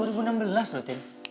ini dua ribu enam belas loh tin